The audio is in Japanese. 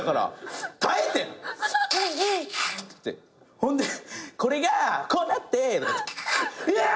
ほんで「これがこうなって」うわ！